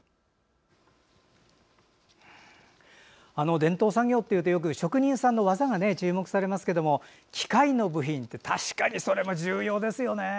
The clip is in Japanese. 伝統産業ってよく職人さんの技が注目されますけどの機械の部品って確かに、それも重要ですよね。